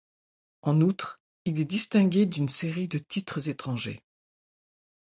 En outre, il est distingué d’une série de titres étrangers.